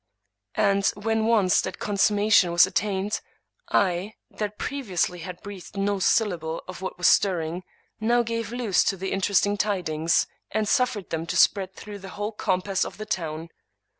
And, when once that consumma tion was attained, I, that previously had breathed no sylla ble of what was stirring, now gave loose to the interesting tidings, and suffered them to spread through the whole no Thomas De Quincey compass of the town.